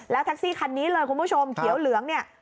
แท็กซี่คันนี้เลยคุณผู้ชมเขียวเหลืองเนี่ย